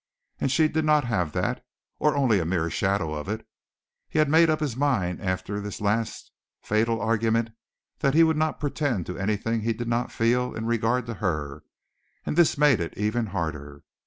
And she did not have that, or only a mere shadow of it. He had made up his mind after this last fatal argument that he would not pretend to anything he did not feel in regard to her, and this made it even harder.